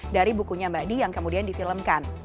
dari bukunya mbak di yang kemudian difilmkan